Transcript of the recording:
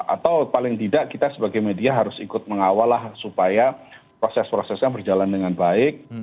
atau paling tidak kita sebagai media harus ikut mengawal lah supaya proses prosesnya berjalan dengan baik